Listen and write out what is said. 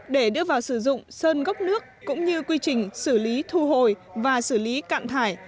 để đưa vào sử dụng sơn gốc nước cũng như quy trình xử lý thu hồi và xử lý cạn thải